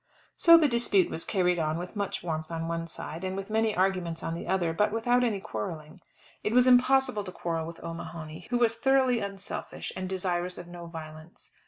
So the dispute was carried on with much warmth on one side, and with many arguments on the other, but without any quarrelling. It was impossible to quarrel with O'Mahony, who was thoroughly unselfish, and desirous of no violence.